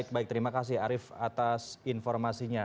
baik terima kasih arief atas informasinya